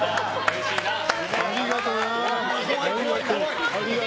ありがとう。